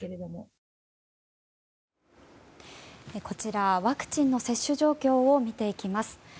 こちら、ワクチンの接種状況を見ていきます。